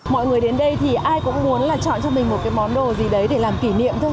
mọi người đến đây thì ai cũng muốn là chọn cho mình một cái món đồ gì đấy để làm kỷ niệm thôi